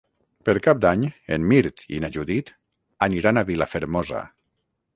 Per Cap d'Any en Mirt i na Judit aniran a Vilafermosa.